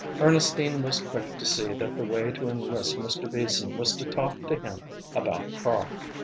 Ernestine was quick to see that the way to enlist Mr. Beason was to talk to him about Karl.